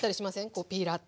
こうピーラーって。